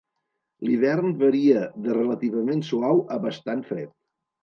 L'hivern varia de relativament suau a bastant fred.